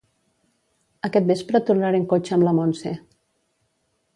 Aquest vespre tornaré en cotxe amb la Montse